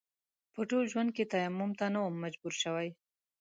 په ټول ژوند کې تيمم ته نه وم مجبور شوی.